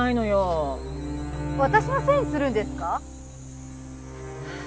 私のせいにするんですか？